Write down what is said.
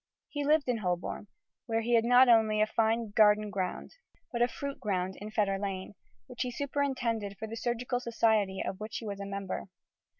He lived in Holborn, where he had not only a fine garden ground, but a fruit ground in Fetter Lane, which he superintended for the surgical society of which he was a member.